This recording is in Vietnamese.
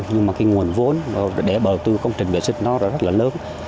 nhưng mà cái nguồn vốn để đầu tư công trình vệ sinh nó đã rất là lớn